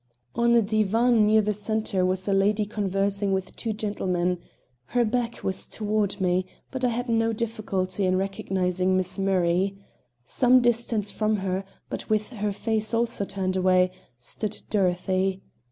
On a divan near the center was a lady conversing with two gentlemen. Her back was toward me, but I had no difficulty in recognizing Miss Murray. Some distance from her, but with her face also turned away, stood Dorothy.